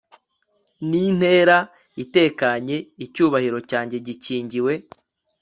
Nintera itekanye I icyubahiro cyanjye gikingiwe